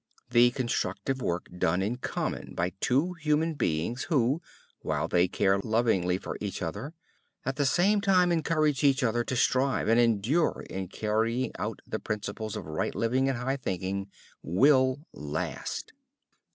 The constructive work done in common by two human beings who, while they care lovingly for each other, at the same time encourage each other to strive and endure in carrying out the principles of right living and high thinking, will last.